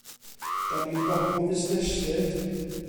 'Da ni'n bobl fusneslyd!